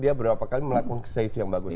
dia berapa kali melakukan safe yang bagus